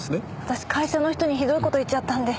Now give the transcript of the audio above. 私会社の人にひどい事言っちゃったんで。